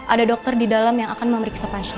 ada dokter didalam yang akan memeriksa pasien